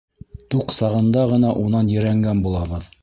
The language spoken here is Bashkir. Туҡ сағында ғына унан ерәнгән булабыҙ.